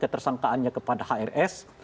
ketersangkaannya kepada hrs